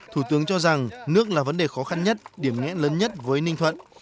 thủ tướng cho rằng nước là vấn đề khó khăn nhất điểm nghẽn lớn nhất với ninh thuận